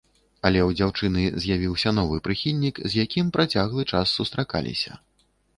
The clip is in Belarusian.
Але ў дзяўчыны з'явіўся новы прыхільнік, з якім працяглы час сустракаліся.